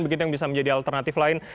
begitu yang bisa menjadi alternatif lain